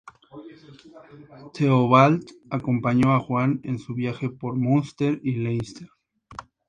Theobald acompañó a Juan en su viaje por Munster y Leinster.